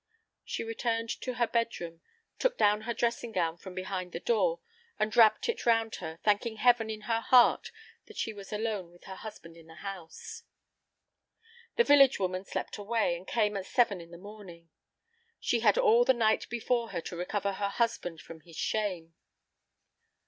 She returned to her bedroom, took down her dressing gown from behind the door, and wrapped it round her, thanking Heaven in her heart that she was alone with her husband in the house. The village woman slept away, and came at seven in the morning. She had all the night before her to recover her husband from his shame.